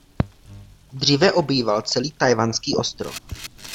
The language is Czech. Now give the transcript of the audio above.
Dříve obýval celý tchajwanský ostrov.